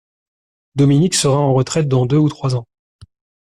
Dominique sera en retraite dans deux ou trois ans.